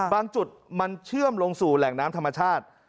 จุดมันเชื่อมลงสู่แหล่งน้ำธรรมชาติ